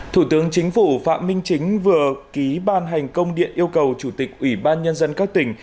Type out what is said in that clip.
thủ tướng chính phủ phạm minh chính vừa ký ban hành công điện yêu cầu chủ tịch ủy ban nhân dân các tỉnh